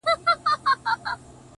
د ښویېدلي سړي لوري د هُدا لوري،